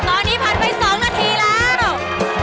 ตอนนี้พันไปสองนาทีแล้ว